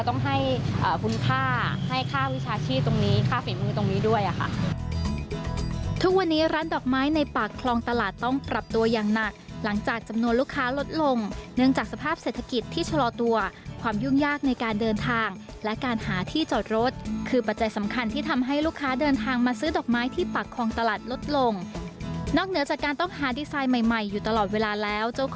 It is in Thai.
ทุกวันนี้ร้านดอกไม้ในปากคลองตลาดต้องปรับตัวยังหนักหลังจากจำนวนลูกค้าลดลงเนื่องจากสภาพเศรษฐกิจที่ชะลอตัวความยุ่งยากในการเดินทางและการหาที่จอดรถคือปัจจัยสำคัญที่ทำให้ลูกค้าเดินทางมาซื้อดอกไม้ที่ปากคลองตลาดลดลงนอกเหนือจากการต้องหาดีไซน์ใหม่ใหม่อยู่ตลอดเวลาแล้